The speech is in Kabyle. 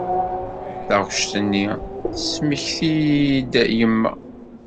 Taɣect-nni tesmekti-iyi-d yemma.